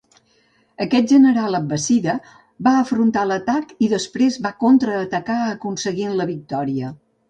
Aquest general abbàssida va afrontar l'atac i després va contraatacar aconseguint la victòria.